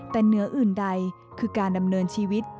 แต่เหนืออื่นใดคือการดำเนินชีวิต